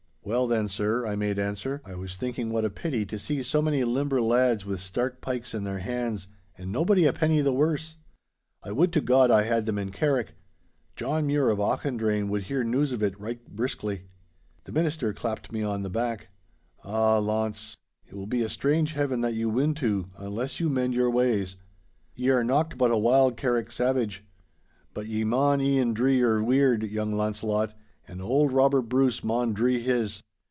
'Well then, sir,' I made answer, 'I was thinking what a pity to see so many limber lads with stark pikes in their hands, and nobody a penny the worse! I would to God I had them in Carrick. John Mure of Auchendrayne would hear news of it right briskly.' The minister clapped me on the back. 'Ah, Launce, it will be a strange Heaven that you win to, unless you mend your ways. Ye are nocht but a wild Carrick savage. But ye maun e'en dree your weird, young Launcelot, and auld Robert Bruce maun dree his.